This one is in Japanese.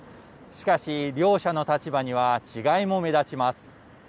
しかし、両者の立場には、違いも目立ちます。